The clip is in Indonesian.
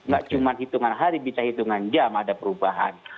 gak cuma hitungan hari bisa hitungan jam ada perubahan